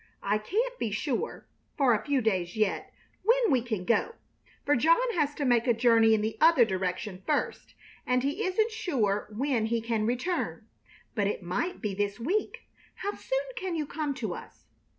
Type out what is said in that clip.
I can't be sure, for a few days yet, when we can go, for John has to make a journey in the other direction first, and he isn't sure when he can return; but it might be this week. How soon can you come to us?